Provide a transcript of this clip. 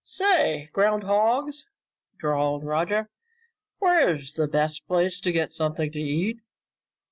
"Say, ground hogs," drawled Roger, "where's the best place to get something to eat?"